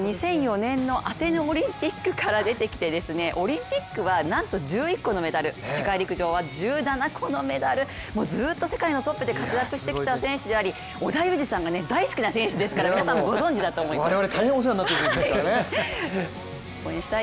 ２００４年のアテネオリンピックから出てきて、オリンピックはなんと１１個のメダル、世界陸上は１７個のメダルずっと世界のトップで活躍してきた選手であり織田裕二さんが大好きな選手ですから皆さんご存じだと思います。